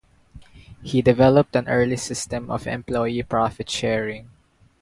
He developed an early system of employee profit-sharing.